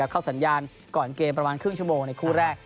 เข้าสัญญาณก่อนเกมประมาณครึ่งชั่วโมงในคู่แรก